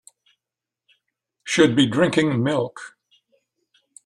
Should be drinking milk.